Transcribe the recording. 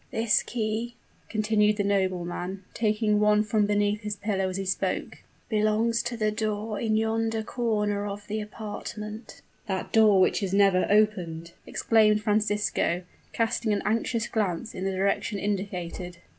"This key," continued the nobleman, taking one from beneath his pillow as he spoke, "belongs to the door in yonder corner of the apartment." "That door which is never opened!" exclaimed Francisco, casting an anxious glance in the direction indicated.